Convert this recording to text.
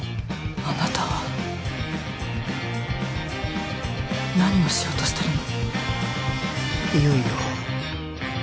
あなたは何をしようとしてるの？